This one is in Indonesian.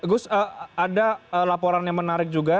gus ada laporan yang menarik juga